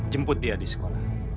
jemput dia di sekolah